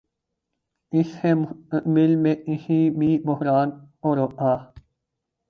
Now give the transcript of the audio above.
اس سے مستقبل میں کسی بھی بحران کو روکا